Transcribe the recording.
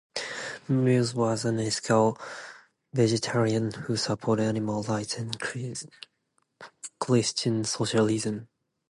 Mills was an ethical vegetarian who supported animal rights and Christian socialism.